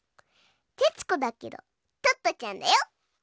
徹子だけど、トットちゃんだよ。